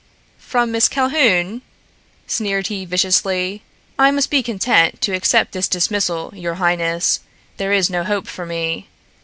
"From Miss Calhoun?" sneered he viciously. "I must be content to accept this dismissal, your highness. There is no hope for me.